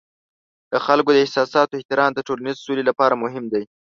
د خلکو د احساساتو احترام د ټولنیز سولې لپاره مهم دی.